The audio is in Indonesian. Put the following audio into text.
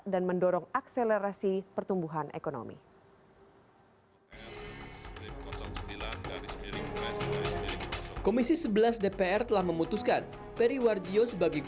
dan mendorong akselerasi pertumbuhan ekonomi